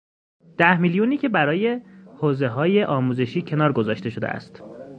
ده میلیونی که برای حوزههای آموزشی کنار گذاشته شده است